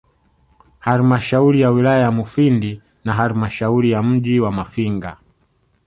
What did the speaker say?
Halmashauri ya wilaya ya Mufindi na Halmashauri ya mji wa Mafinga